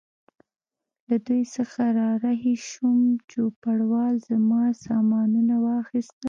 له دوی څخه را رهي شوم، چوپړوال زما سامانونه واخیستل.